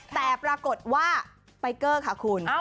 แต่ปรากฏว่าไปเกอร์ค่ะคุณ